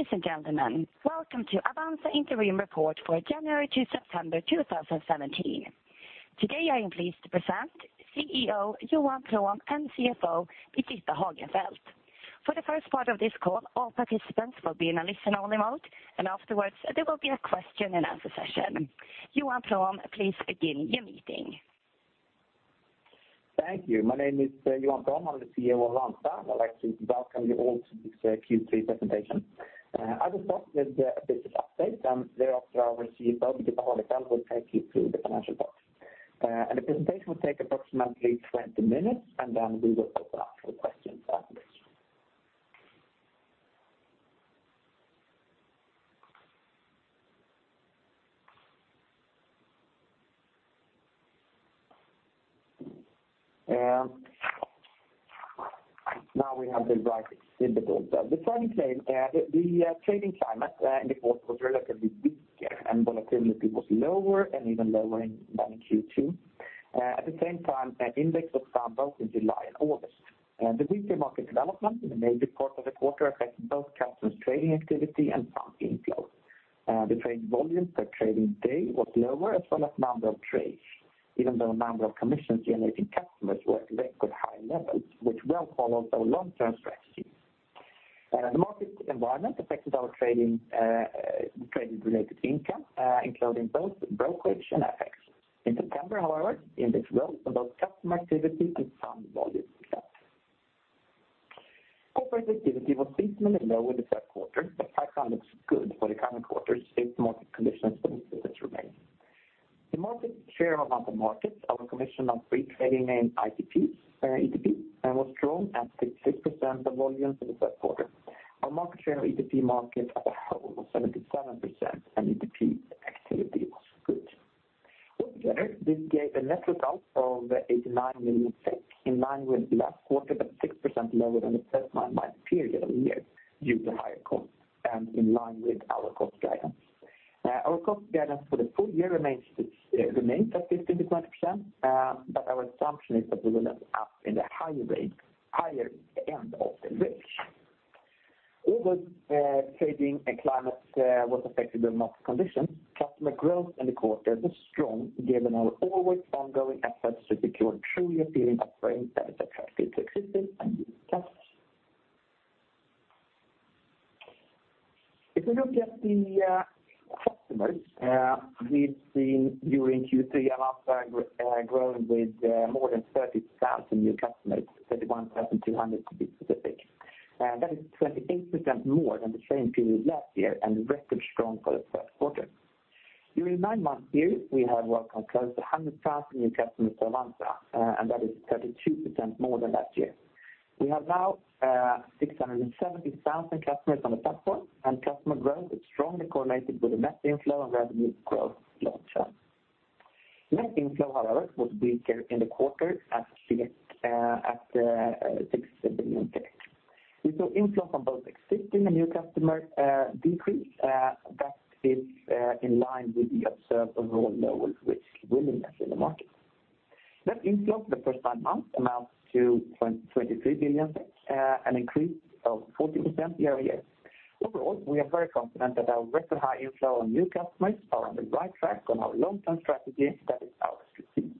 Ladies and gentlemen, welcome to Avanza interim report for January to September 2017. Today, I am pleased to present CEO Johan Prom and CFO Birgitta Hagenfeldt. For the first part of this call, all participants will be in a listen-only mode, afterwards there will be a question-and-answer session. Johan Prom, please begin your meeting. Thank you. My name is Johan Prom. I am the CEO of Avanza. I would like to welcome you all to this Q3 presentation. I will start with a business update, thereafter our CFO, Birgitta Hagenfeldt will take you through the financial part. The presentation will take approximately 20 minutes, then we will open up for questions afterwards. The trading climate in the quarter was relatively weak and volatility was lower and even lower than in Q2. At the same time, index was down both in July and August. The weaker market development in the major part of the quarter affected both customers' trading activity and fund inflows. The trading volume per trading day was lower as well as number of trades, even though the number of commissions-generating customers were at record high levels, which well followed our long-term strategy. The market environment affected our trading-related income, including both brokerage and FX. In September, however, index rose and both customer activity and fund volume increased. Corporate activity was seasonally lower in the third quarter, pipeline looks good for the current quarter since market conditions for investors remain. The market share on other markets, our commission on free trading in ETP was strong at 66% of volumes in the third quarter. Our market share on ETP market as a whole was 77%, and ETP activity was good. All together, this gave a net result of 89 million, in line with last quarter, but 6% lower than the same period last year due to higher costs and in line with our cost guidance. Our cost guidance for the full year remains at 15%-20%, our assumption is that we will end up in the higher end of the range. Although trading climate was affected by market conditions, customer growth in the quarter was strong given our always ongoing efforts to secure truly appealing offering that attracts both existing and new customers. If we look at the customers we have seen during Q3, Avanza has grown with more than 30,000 new customers, 31,200 to be specific. That is 28% more than the same period last year and record strong for the third quarter. During the nine-month year, we have welcomed close to 100,000 new customers to Avanza, that is 32% more than last year. We have now 670,000 customers on the platform, customer growth is strongly correlated with the net inflow and revenue growth long term. Net inflow, however, was weaker in the quarter at 6 billion SEK. We saw inflow from both existing and new customers decrease. That is in line with the observed overall lower risk willingness in the market. Net inflow for the first nine months amounts to 23 billion SEK, an increase of 40% year-over-year. Overall, we are very confident that our record high inflow and new customers are on the right track on our long-term strategy that is our strategic focus.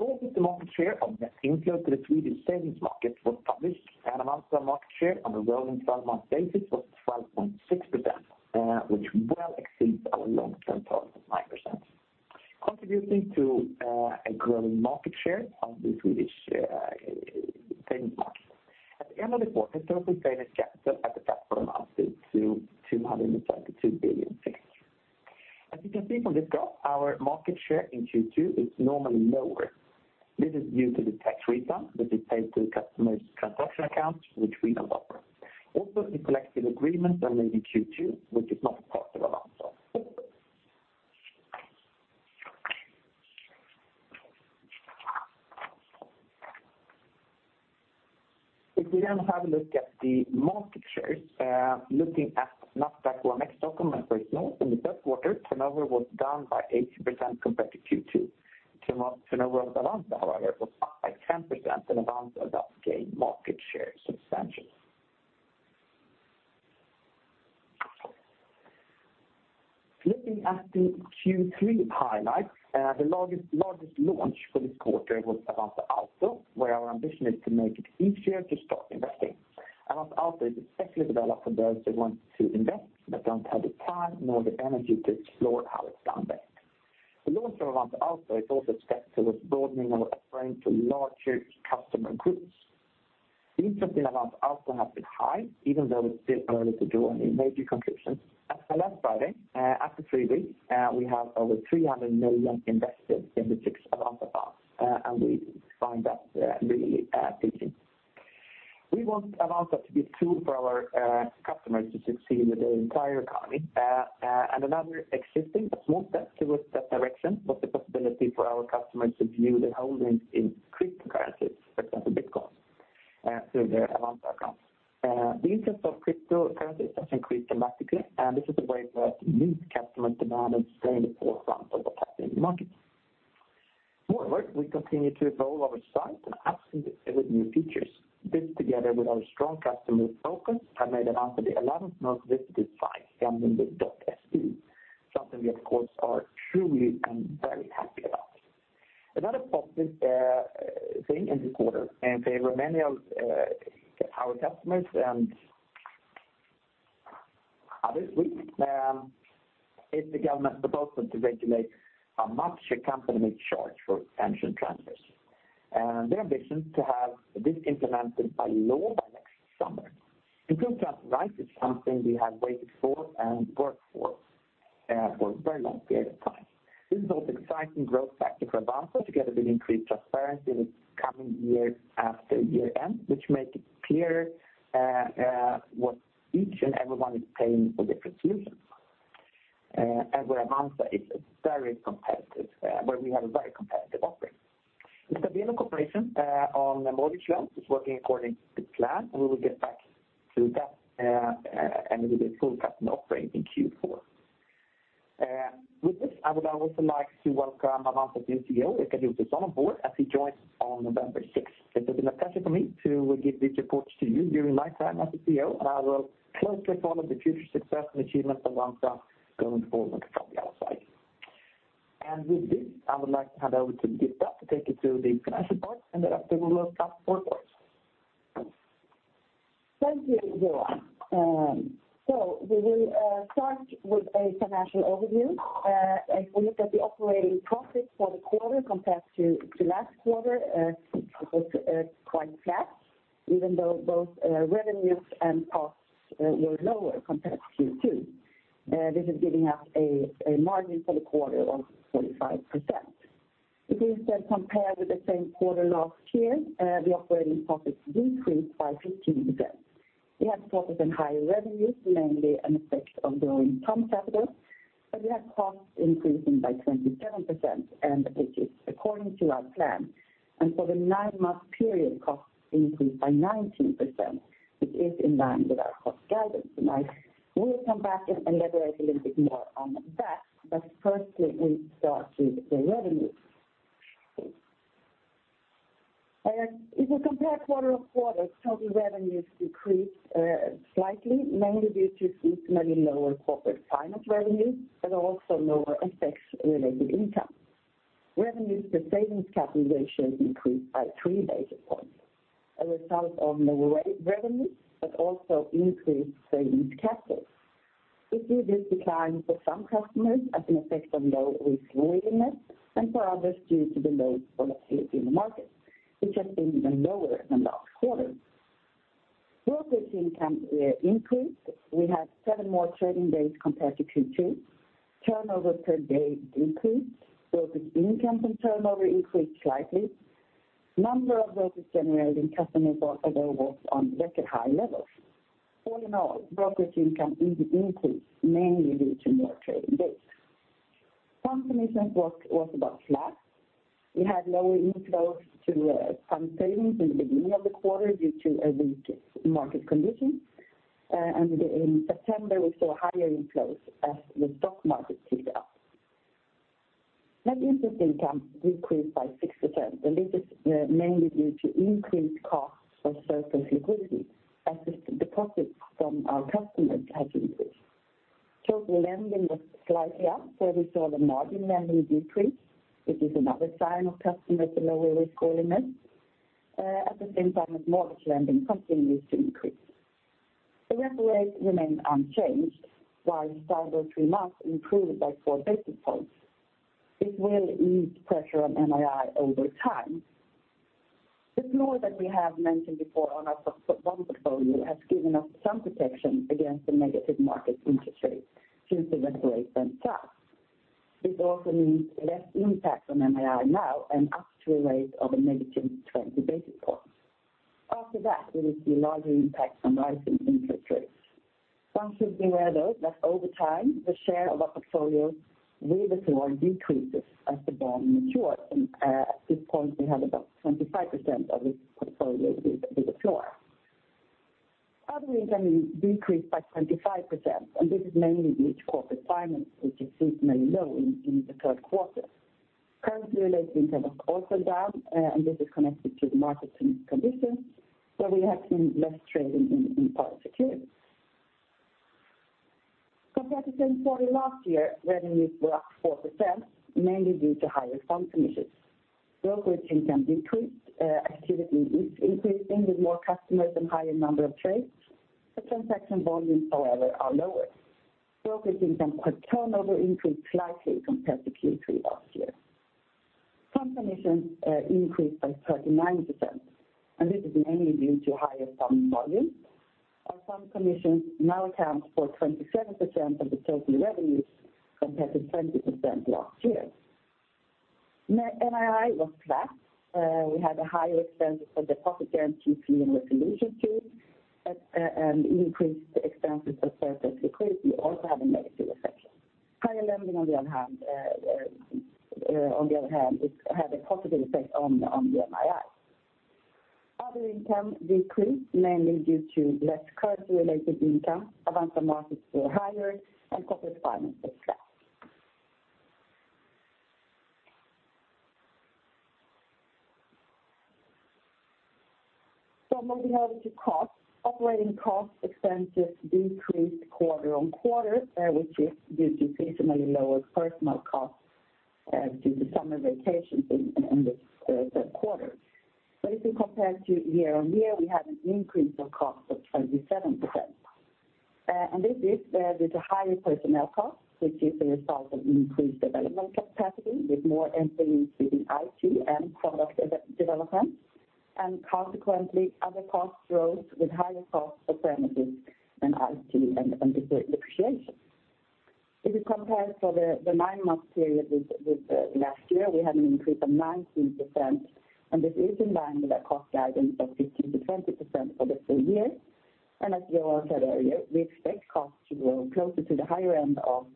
The order to market share of net inflow to the Swedish savings market was published and amounts to a market share on a rolling 12-month basis was 12.6%, which well exceeds our long-term target of 9%. Contributing to a growing market share of the Swedish savings market. At the end of the quarter, total savings capital at the platform amounted to 222 billion SEK. As you can see from this graph, our market share in Q2 is normally lower. This is due to the tax refund that is paid to the customer's transaction accounts, which we don't offer. Also, the collective agreements are made in Q2, which is not part of Avanza. Looking at Nasdaq OMX Corporate business in the first quarter, turnover was down by 18% compared to Q2. Turnover of Avanza, however, was up by 10% and Avanza thus gained market share substantially. Looking at the Q3 highlights the largest launch for this quarter was Avanza Auto, where our ambition is to make it easier to start investing. Avanza Auto is especially developed for those who want to invest but don't have the time nor the energy to explore how it's done today. The launch of Avanza Auto is also a step towards broadening our offering to larger customer groups. Interest in Avanza Auto has been high even though it's still early to draw any major conclusions. As of last Friday, after three weeks, we have over 300 million invested in the six Avanza Fonder, and we find that really pleasing. We want Avanza to be a tool for our customers to succeed with their entire economy. Another existing but small step towards that direction was the possibility for our customers to view their holdings in cryptocurrencies such as Bitcoin through the Avanza account. The interest of cryptocurrency has increased dramatically, and this is a way for us to meet customer demand and stay in the forefront of what's happening in the market. Moreover, we continue to evolve our site and apps with new features. This, together with our strong customer focus, have made Avanza the 11th most visited site here in the .se, something we, of course, are truly and very happy about. Another positive thing in this quarter in favor of many of our customers and others with is the government proposal to regulate how much a company may charge for pension transfers. Their ambition is to have this implemented by law by next summer. It feels just right. It's something we have waited for and worked for a very long period of time. This is both exciting growth factor for Avanza, together with increased transparency in the coming year after year-end, which make it clear what each and everyone is paying for different solutions and where Avanza is very competitive, where we have a very competitive offering. The Stabelo cooperation on mortgage loans is working according to plan, we will get back to that and with a full customer offering in Q4. With this, I would also like to welcome Avanza's new CEO, Rikard Josefson on board as he joins on November 6th. This has been a pleasure for me to give these reports to you during my time as a CEO, I will closely follow the future success and achievements of Avanza going forward from the outside. With this, I would like to hand over to Birgitta to take you to the financial part, thereafter we will have board reports. Thank you, Johan. We will start with a financial overview. If we look at the operating profit for the quarter compared to last quarter, it was quite flat, even though both revenues and costs were lower compared to Q2. This is giving us a margin for the quarter of 25%. If we then compare with the same quarter last year, the operating profits decreased by 15%. We have profits and higher revenues, mainly an effect of growing fund capital, we have costs increasing by 27%, this is according to our plan. For the nine-month period, costs increased by 19%, which is in line with our cost guidance. I will come back and elaborate a little bit more on that, firstly, we start with the revenues. If we compare quarter-on-quarter, total revenues decreased slightly, mainly due to seasonally lower corporate finance revenues, also lower FX related income. Revenues per savings capitalization increased by three basis points, a result of lower rate revenues, also increased savings capital. We see this decline for some customers as an effect of low risk willingness and for others due to the low volatility in the market, which has been even lower than last quarter. Brokerage income increased. We had seven more trading days compared to Q2. Turnover per day increased. Brokerage income from turnover increased slightly. Number of brokerage generating customers was also on record high levels. All in all, brokerage income increased mainly due to more trading days. Fund commissions was about flat. We had lower inflows to fund savings in the beginning of the quarter due to a weak market condition. In September, we saw higher inflows as the stock market ticked up. Net interest income decreased by 6%, this is mainly due to increased costs for surplus liquidity as the deposits from our customers has increased. Total lending was slightly up, we saw the margin lending decrease, which is another sign of customers with lower risk willingness at the same time as mortgage lending continues to increase. The repo rate remained unchanged, while the standard three months improved by four basis points. This will ease pressure on NII over time. The floor that we have mentioned before on our bond portfolio has given us some protection against the negative market interest rates since the repo rate went up. This also means less impact on NII now and up to a rate of a negative 20 basis points. After that, we will see larger impacts on rising interest rates. One should be aware, though, that over time, the share of our portfolio with the floor decreases as the bond matures, and at this point, we have about 25% of this portfolio with a floor. Other income decreased by 25%, and this is mainly due to corporate finance, which is seasonally low in the third quarter. Currency related income was also down, and this is connected to the market conditions where we have seen less trading in particular. Compared to the same quarter last year, revenues were up 4%, mainly due to higher fund commissions. Brokerage income decreased. Activity is increasing with more customers and higher number of trades. The transaction volumes, however, are lower. Brokerage income turnover increased slightly compared to Q3 last year. Fund commissions increased by 39%, and this is mainly due to higher fund volume. Our fund commissions now account for 27% of the total revenues compared to 20% last year. NII was flat. We had a higher expense for deposit guarantee scheme resolution scheme, and increased expenses for surplus liquidity also had a negative effect. Higher lending on the other hand, had a positive effect on the NII. Other income decreased mainly due to less currency related income, Avanza Markets were higher and corporate finance was flat. Moving over to costs. Operating cost expenses decreased quarter-on-quarter, which is due to seasonally lower personnel costs due to summer vacations in this quarter. If you compare it to year-on-year, we had an increase of costs of 27%. This is with a higher personnel cost, which is a result of increased development capacity with more employees within IT and product development, and consequently other costs rose with higher costs for premises and IT and depreciation. If you compare for the nine-month period with last year, we had an increase of 19%, and this is in line with our cost guidance of 15%-20% for the full year. As Johan said earlier, we expect costs to grow closer to the higher end of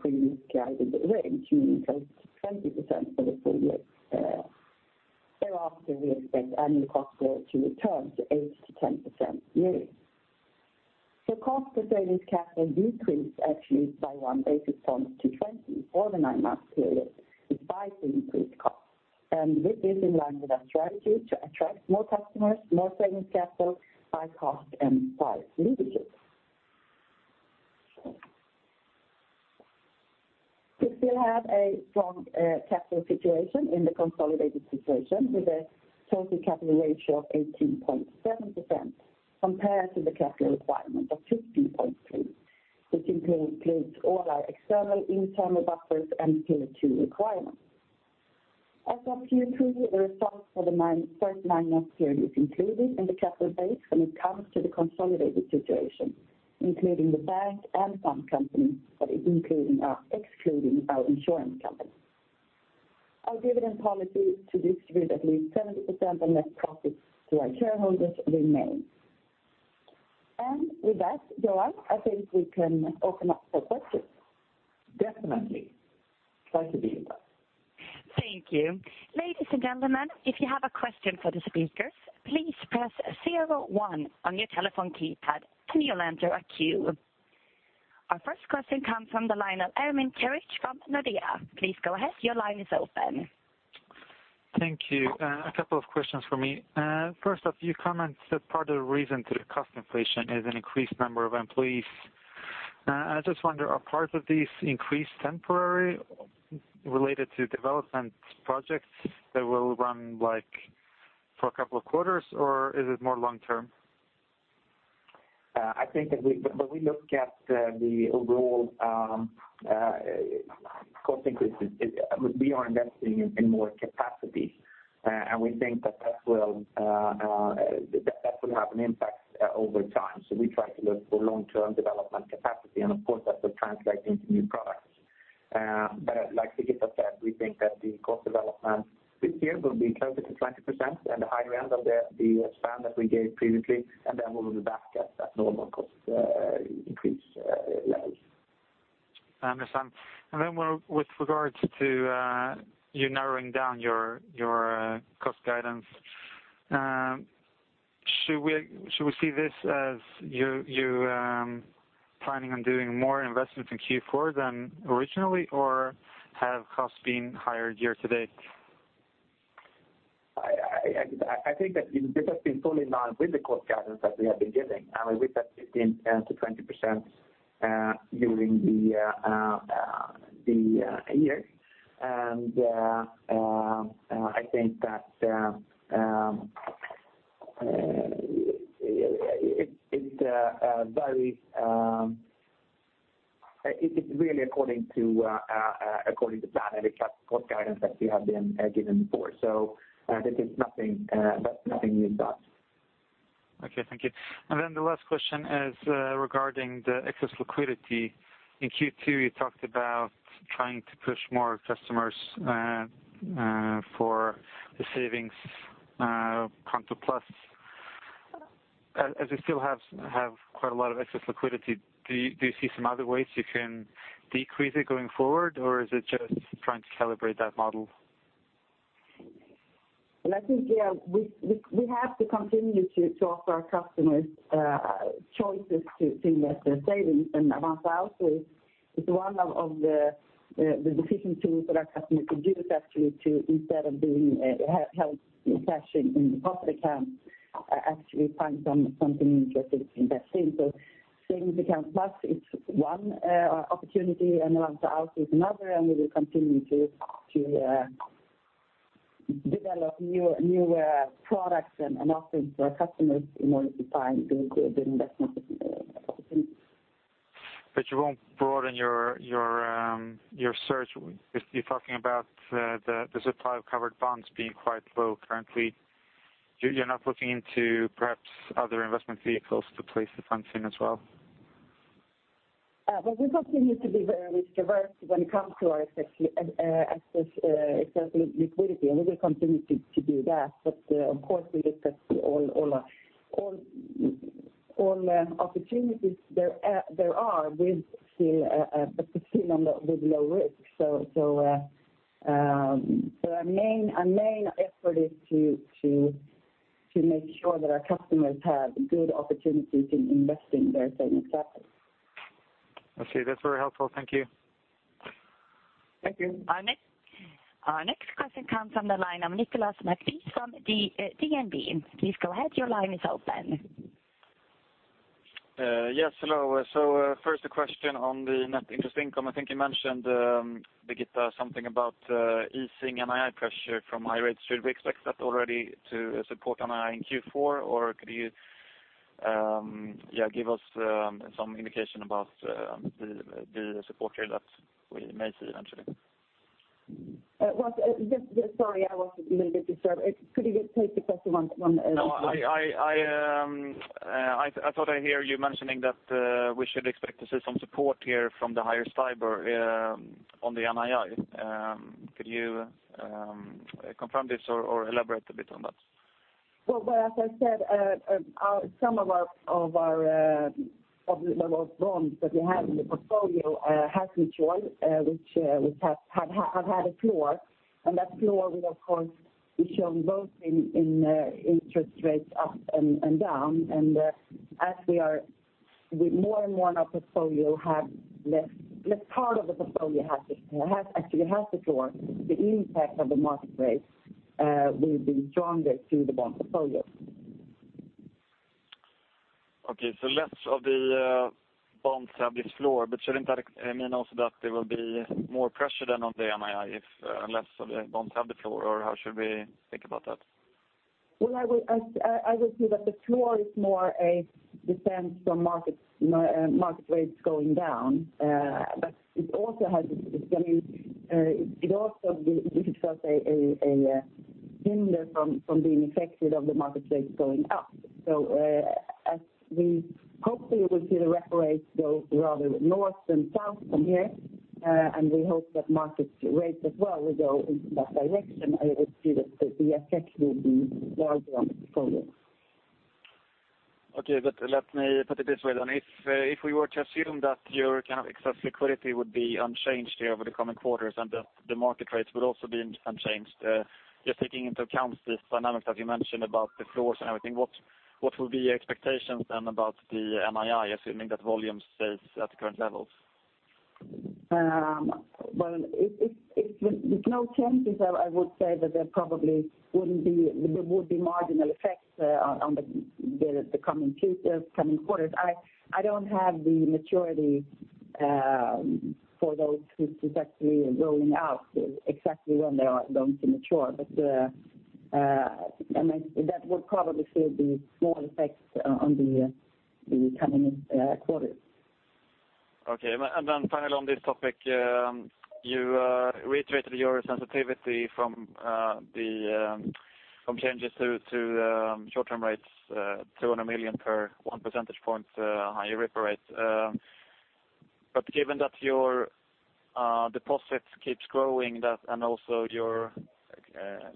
previously guided range, meaning close to 20% for the full year. Thereafter, we expect annual cost growth to return to 8%-10% yearly. Cost to savings capital decreased actually by one basis point to 20 for the nine-month period, despite the increased cost. This is in line with our strategy to attract more customers, more savings capital by cost and price leadership. We still have a strong capital situation in the consolidated situation with a total capital ratio of 18.7%, compared to the capital requirement of 15.3%. This includes all our external, internal buffers and pillar two requirements. As of Q2, the result for the first nine months period is included in the capital base when it comes to the consolidated situation, including the bank and fund company, but excluding our insurance company. Our dividend policy is to distribute at least 70% of net profit to our shareholders remains. With that, Johan, I think we can open up for questions. Definitely. Thank you, Birgitta. Thank you. Ladies and gentlemen, if you have a question for the speakers, please press zero one on your telephone keypad and you'll enter a queue. Our first question comes from the line of Ermin Girich from Nordea. Please go ahead. Your line is open. Thank you. A couple of questions for me. First off, you comment that part of the reason to the cost inflation is an increased number of employees. I just wonder, are parts of these increased temporary related to development projects that will run for a couple of quarters, or is it more long-term? I think when we look at the overall cost increases, we are investing in more capacity, and we think that will have an impact over time. We try to look for long-term development capacity, and of course, that will translate into new products. Like Birgitta said, we think that the cost development this year will be closer to 20% and the higher end of the span that we gave previously, and then we will be back at that normal cost increase levels. I understand. With regards to you narrowing down your cost guidance, should we see this as you planning on doing more investments in Q4 than originally, or have costs been higher year to date? I think that this has been fully in line with the cost guidance that we have been giving. With that 15%-20% during the year. I think that it varies. It's really according to plan and the cost guidance that we have been given for. There's nothing new in that. Okay, thank you. The last question is regarding the excess liquidity. In Q2, you talked about trying to push more customers for the Sparkonto+. As you still have quite a lot of excess liquidity, do you see some other ways you can decrease it going forward, or is it just trying to calibrate that model? I think, yeah, we have to continue to offer our customers choices to invest their savings. Avanza Auto is one of the decision tools that our customers could use actually to instead of being held in cash in the deposit account, actually find something interesting to invest in. Sparkonto+ it's one opportunity and Avanza Auto is another, and we will continue to develop newer products and offerings for our customers in order to find good investment opportunities. You won't broaden your search. You're talking about the supply of covered bonds being quite low currently. You're not looking into perhaps other investment vehicles to place the funds in as well? We continue to be very risk averse when it comes to our excess liquidity, and we will continue to do that. Of course, we look at all our opportunities there are, but still with low risk. Our main effort is to make sure that our customers have good opportunities in investing their savings safely. I see. That's very helpful. Thank you. Thank you. Our next question comes from the line of Nicholas McPhee from DNB. Please go ahead. Your line is open. Yes, hello. First a question on the net interest income. I think you mentioned, Birgitta, something about easing NII pressure from high rates. Should we expect that already to support NII in Q4? Could you give us some indication about the support here that we may see eventually? Sorry, I was a little bit disturbed. Could you just take the question once? I thought I hear you mentioning that we should expect to see some support here from the higher STIBOR on the NII. Could you confirm this or elaborate a bit on that? Well, as I said, some of our bonds that we have in the portfolio are hedged, which have had a floor. That floor will, of course, be shown both in interest rates up and down. As more and more of the portfolio, less part of the portfolio actually has the floor, the impact of the market rates will be stronger through the bond portfolio. Okay. Less of the bonds have this floor, shouldn't that mean also that there will be more pressure then on the NII if less of the bonds have the floor? How should we think about that? Well, I would say that the floor is more a defense from market rates going down. It also gives us a hinder from being affected of the market rates going up. As we hopefully will see the repo rates go rather north than south from here, we hope that market rates as well will go in that direction, I would see that the effect will be larger on the portfolio. Okay, let me put it this way then. If we were to assume that your excess liquidity would be unchanged here over the coming quarters and that the market rates would also be unchanged, just taking into account this dynamic that you mentioned about the floors and everything, what will be your expectations then about the NII, assuming that volume stays at the current levels? Well, with no changes, I would say that there would be marginal effects on the coming quarters. I don't have the maturity for those which is actually rolling out exactly when they are going to mature. That would probably still be small effects on the coming quarters. Okay. Finally on this topic, you reiterated your sensitivity from changes to short-term rates, 200 million per 1 percentage point higher repo rate. Given that your deposits keeps growing and also your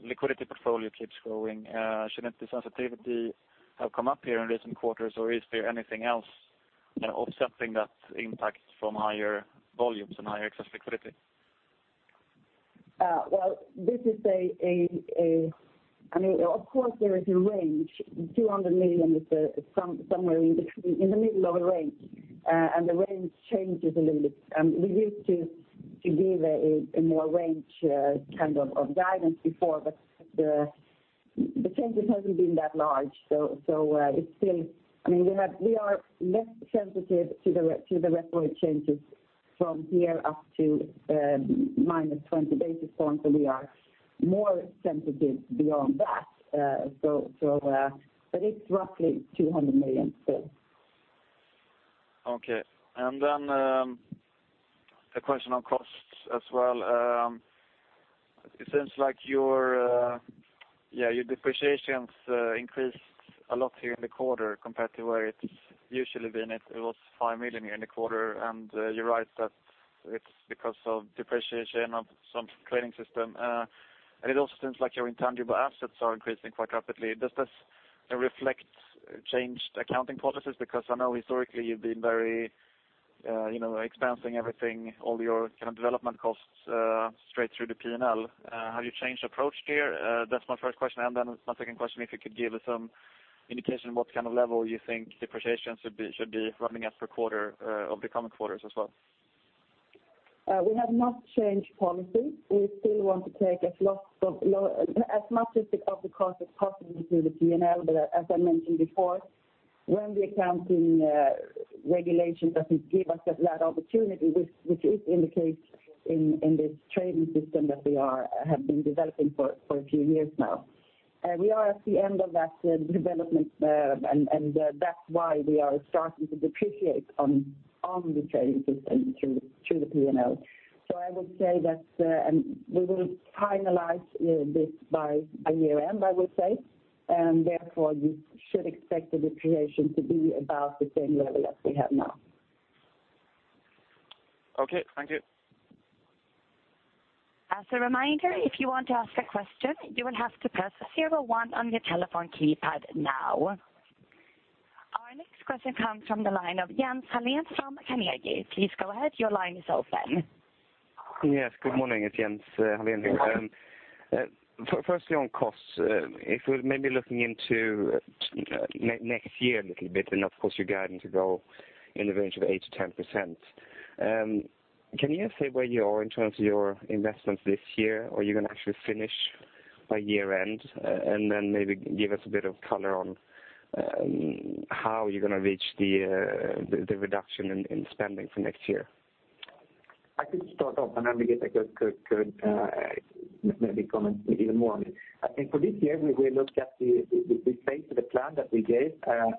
liquidity portfolio keeps growing, shouldn't the sensitivity have come up here in recent quarters? Is there anything else offsetting that impact from higher volumes and higher excess liquidity? Of course, there is a range, 200 million is somewhere in the middle of a range, the range changes a little bit. We used to give a more range kind of guidance before, the changes haven't been that large. We are less sensitive to the repo rate changes from here up to minus 20 basis points, we are more sensitive beyond that. It's roughly 200 million still. Okay. A question on costs as well. It seems like your depreciations increased a lot here in the quarter compared to where it's usually been. It was 5 million here in the quarter, you write that it's because of depreciation of some trading system. It also seems like your intangible assets are increasing quite rapidly. Does this reflect changed accounting policies? I know historically you've been very expensing everything, all your development costs straight through the P&L. Have you changed approach there? That's my first question, my second question, if you could give us some indication what kind of level you think depreciation should be running at per quarter of the coming quarters as well. We have not changed policy. We still want to take as much of the cost as possible through the P&L. As I mentioned before, when the accounting regulation doesn't give us that opportunity, which is in the case in this trading system that we have been developing for a few years now. We are at the end of that development, and that's why we are starting to depreciate on the trading system through the P&L. I would say that we will finalize this by year-end, I would say, and therefore you should expect the depreciation to be about the same level as we have now. Okay. Thank you. As a reminder, if you want to ask a question, you will have to press 01 on your telephone keypad now. Our next question comes from the line of Jens Hallén from Carnegie. Please go ahead. Your line is open. Yes, good morning. It's Jens Hallén here. Good morning. Firstly, on costs, if we're maybe looking into next year a little bit, you're guiding to go in the range of 8%-10%. Can you say where you are in terms of your investments this year? Are you going to actually finish by year-end? Then maybe give us a bit of color on how you're going to reach the reduction in spending for next year. I could start off, then Birgitta could maybe comment even more on it. I think for this year, we stay to the plan that we gave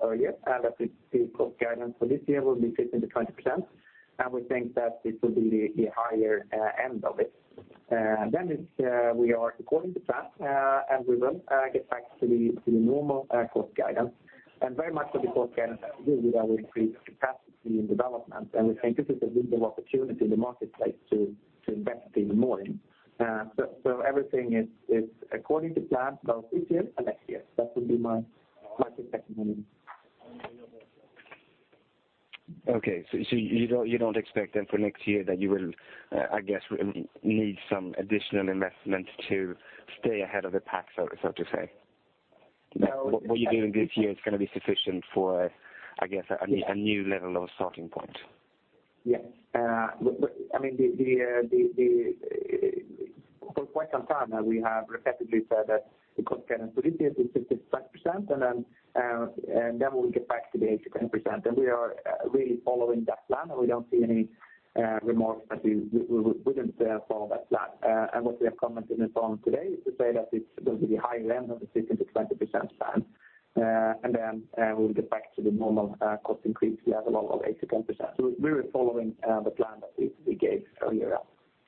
earlier, that the cost guidance for this year will be 15%-20%, and we think that it will be the higher end of it. We are according to plan, and we will get back to the normal cost guidance, and very much of the cost guidance has to do with our increased capacity in development, and we think this is a window of opportunity in the marketplace to invest even more in. Everything is according to plan, both this year and next year. That would be my take on it. Okay. You don't expect then for next year that you will, I guess, need some additional investment to stay ahead of the pack, so to say? No. What you're doing this year is going to be sufficient for, I guess, a new level of starting point. Yes. For quite some time now we have repeatedly said that the cost guidance for this year is 15%-20%. Then we will get back to the 8%-10%. We are really following that plan, and we don't see any remorse that we wouldn't follow that plan. What we have commented upon today is to say that it's going to be the high end of the 15%-20% plan. Then we will get back to the normal cost increase level of 8%-10%. We're following the plan that we gave earlier.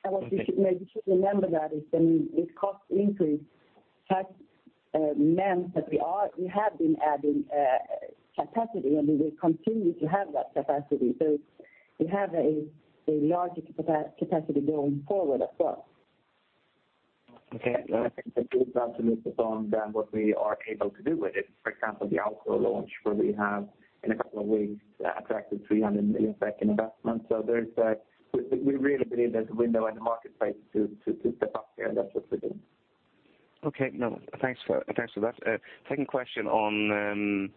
What we maybe should remember that is when it cost increase meant that we have been adding capacity, and we will continue to have that capacity. We have a larger capacity going forward as well. Okay. I think the key is not to lose the bond on what we are able to do with it. For example, the Auto launch, where we have in a couple of weeks attracted 300 million SEK in investment. We really believe there's a window in the marketplace to step up here, and that's what we're doing. Okay. No, thanks for that. Second question on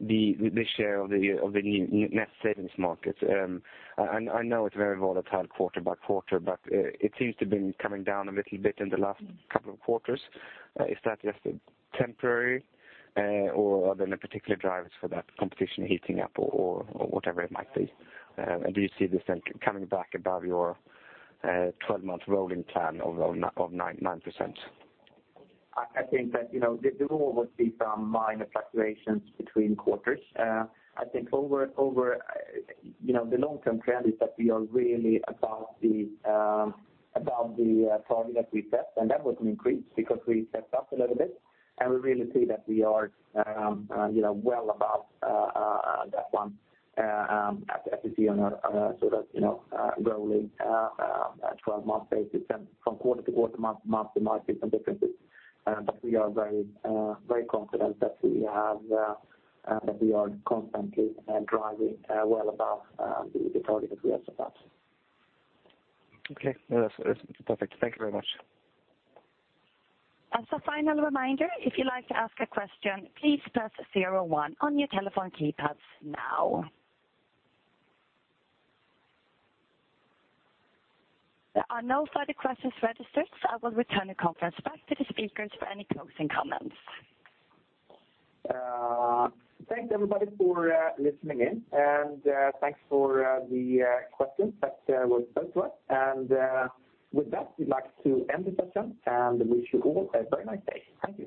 the share of the net savings market. I know it's very volatile quarter by quarter, but it seems to have been coming down a little bit in the last couple of quarters. Is that just temporary, or are there any particular drivers for that competition heating up or whatever it might be? Do you see this then coming back above your 12-month rolling plan of 9%? I think that there will always be some minor fluctuations between quarters. I think over the long-term trend is that we are really above the target that we set, and that was an increase because we stepped up a little bit, and we really see that we are well above that one as you see on our rolling 12-month basis. From quarter to quarter, month to month, it's some differences. We are very confident that we are constantly driving well above the target that we have set. Okay. No, that's perfect. Thank you very much. As a final reminder, if you'd like to ask a question, please press 01 on your telephone keypads now. There are no further questions registered. I will return the conference back to the speakers for any closing comments. Thanks everybody for listening in, and thanks for the questions that were sent to us. With that, we'd like to end the session and wish you all a very nice day. Thank you